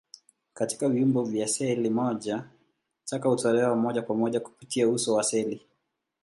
Katika viumbe vya seli moja, taka hutolewa moja kwa moja kupitia uso wa seli.